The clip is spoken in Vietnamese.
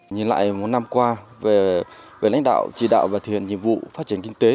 nhìn lại một năm qua về lãnh đạo trì đạo và thiền nhiệm vụ phát triển kinh tế